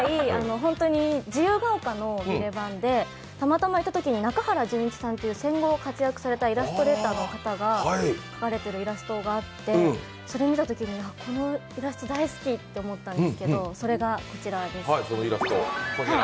本当に自由が丘のヴィレヴァンでたまたま行ったときに中原淳一さんという戦後活躍されたイラストレーターの方が描かれたイラストがあって、見たとき大好きと思ったんですけどそれがこちらです。